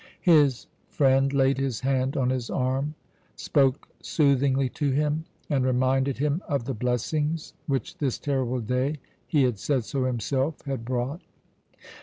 His friend laid his hand on his arm, spoke soothingly to him, and reminded him of the blessings which this terrible day he had said so himself had brought.